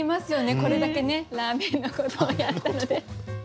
これだけねラーメンのことをやったので。